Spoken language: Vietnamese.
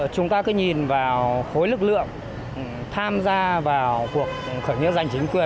chúng ta cứ nhìn vào khối lực lượng tham gia vào cuộc khởi nghĩa giành chính quyền